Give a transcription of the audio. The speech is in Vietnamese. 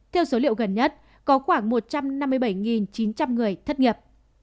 theo số liệu gần nhất có khoảng một trăm năm mươi bảy chín trăm linh người thất nghiệp